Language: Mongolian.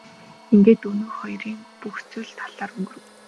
Ингээд өнөөх хоёрын бүх зүйл талаар өнгөрөв.